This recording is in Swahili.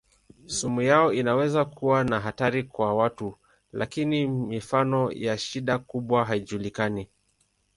Sumu yao inaweza kuwa na hatari kwa watu lakini mifano ya shida kubwa haijulikani.